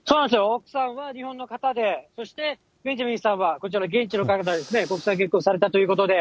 奥さんは日本の方で、そして、ベンジャミンさんはこちらの現地の方でですね、国際結婚されたということで。